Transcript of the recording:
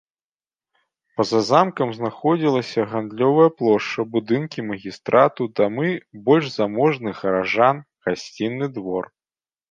Па-за замкам знаходзілася гандлёвая плошча, будынкі магістрату, дамы больш заможных гараджан, гасцінны двор.